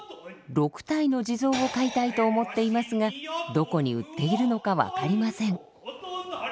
６体の地蔵を買いたいと思っていますがどこに売っているのか分かりません。